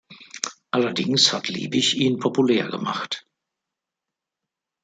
Allerdings hat Liebig ihn populär gemacht.